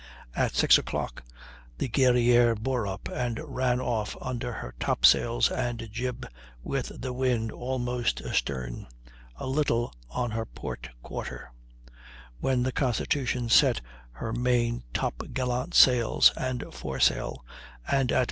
At 6.00 the Guerrière bore up and ran off under her top sails and jib, with the wind almost astern, a little on her port quarter; when the Constitution set her main top gallant sail and foresail, and at 6.